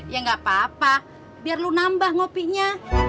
ya gak apa apa biar lu nambah kopinya